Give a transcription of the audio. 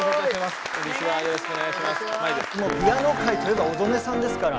もう「ピアノ回」といえば小曽根さんですから。